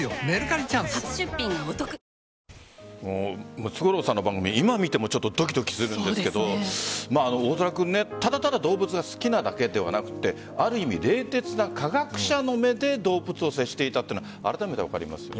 ムツゴロウさんの番組今見てもちょっとドキドキするんですけど大空君、ただただ動物が好きなだけではなくてある意味、冷徹な科学者の目で動物と接していたというのがあらためて分かりますよね。